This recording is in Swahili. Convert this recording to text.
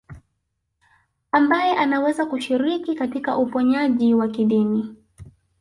Ambaye anaweza kushiriki katika uponyaji wa kidini